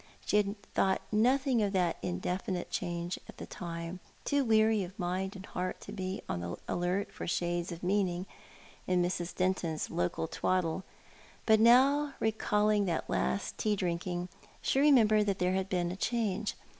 She had thought nothing of that indefinite change at the time, too weary of mind and heart to be on the alert for shades of meaning in Mrs. Denton's local twaddle ; but now, recalling that last tea driuking, she remembered that there had been a change.